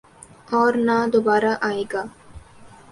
اور نہ دوبارہ آئے گا۔